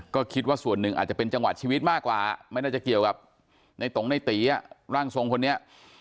ก็คิดว่าส่วนหนึ่งอาจจะเป็นจังหวะชีวิตมากกว่าไม่น่าจะเกี่ยวกับในตงในตีร่างทรงคนนี้